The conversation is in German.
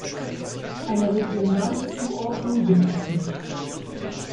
Eine regionale Zuordnung gibt es nicht.